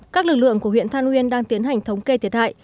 các lực lượng của huyện than uyên đang tiến hành thống kê thiệt hại